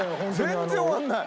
全然終わらない！